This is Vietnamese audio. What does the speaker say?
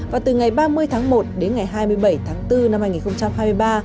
và từ ngày ba mươi tháng một đến ngày hai mươi bảy tháng bốn năm hai nghìn hai mươi ba